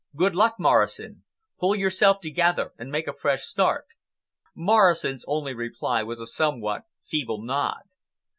"Good luck, Morrison! Pull yourself together and make a fresh start." Morrison's only reply was a somewhat feeble nod.